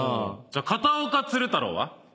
片岡鶴太郎は？